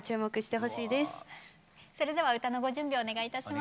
それでは歌のご準備お願いいたします。